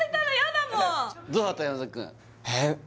えっ？